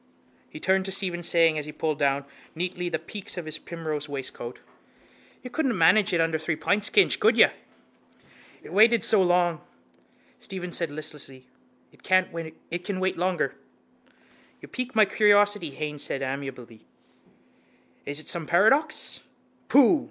He turned to Stephen, saying, as he pulled down neatly the peaks of his primrose waistcoat: —You couldn't manage it under three pints, Kinch, could you? —It has waited so long, Stephen said listlessly, it can wait longer. —You pique my curiosity, Haines said amiably. Is it some paradox? —Pooh!